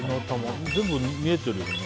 全部見えてるよね。